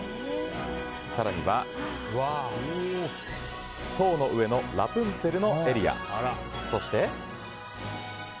更には「塔の上のラプンツェル」のエリア、そして。